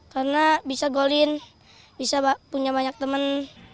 karena bisa goal in bisa punya banyak teman